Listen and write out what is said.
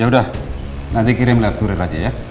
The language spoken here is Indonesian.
ya udah nanti kirim lap surat aja ya